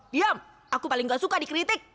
diam aku paling gak suka dikritik